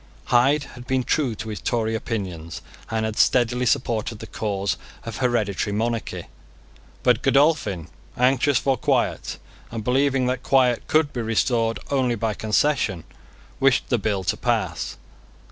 Hyde had been true to his Tory opinions, and had steadily supported the cause of hereditary monarchy. But Godolphin, anxious for quiet, and believing that quiet could be restored only by concession, wished the bill to pass.